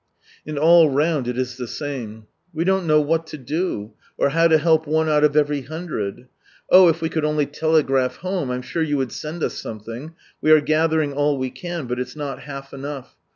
And all round it is the same. We don't know what lo do, or how to help one out of every hundred. Oh 1 if we could only telegraph home, I'm sure you would send us something. We are gather ing all we can, but it's not half enough.